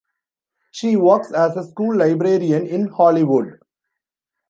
She works as a school librarian in Hollywood.